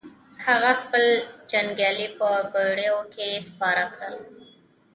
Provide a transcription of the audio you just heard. هغه خپل جنګيالي په بېړيو کې سپاره کړل.